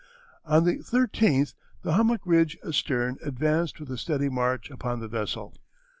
"On the 13th the hummock ridge astern advanced with a steady march upon the vessel.